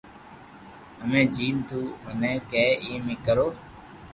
ھمي جيم تو مني ڪي ايم اي ڪرو